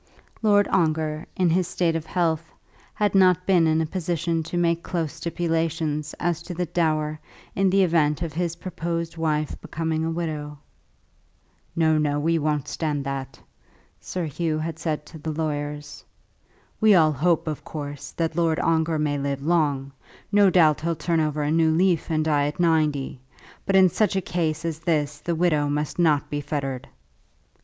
Lord Ongar, in his state of health, had not been in a position to make close stipulations as to the dower in the event of his proposed wife becoming a widow. "No, no; we won't stand that," Sir Hugh had said to the lawyers. "We all hope, of course, that Lord Ongar may live long; no doubt he'll turn over a new leaf, and die at ninety. But in such a case as this the widow must not be fettered."